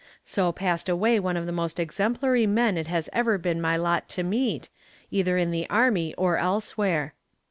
So passed away one of the most exemplary men it has ever been my lot to meet, either in the army or elsewhere.